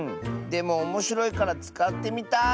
でもおもしろいからつかってみたい。